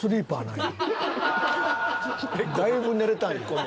だいぶ寝れたんや。